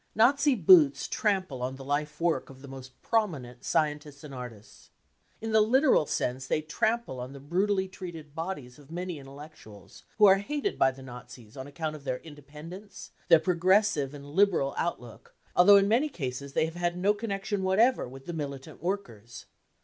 Nazi boots trample on the life work of the most prominent scientists and artists. In the literal sense they trample on the brutally treated bodies of many intellectuals, who are hated by the Nazis on account of their independence, their progressive and liberal outlook, although in many cases they have had no con nection whatever with the militant workers.